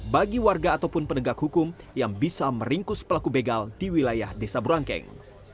bagi warga ataupun penegak hukum yang bisa meringkus pelaku begal di wilayah desa burangkeng